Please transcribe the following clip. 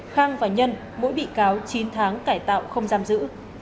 khang và nhân mỗi bị cáo chín tháng cải tạo không giam giữ